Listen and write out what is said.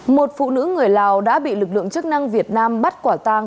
một phụ nữ người lào đã bị lực lượng chức năng việt nam bắt quả tang